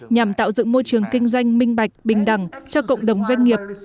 nhằm tạo dựng môi trường kinh doanh minh bạch bình đẳng cho cộng đồng doanh nghiệp